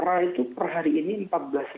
rai itu per hari ini rp empat belas enam ratus